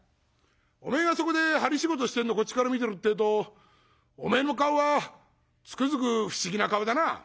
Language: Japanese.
「おめえがそこで針仕事してんのこっちから見てるってえとおめえの顔はつくづく不思議な顔だなあ」。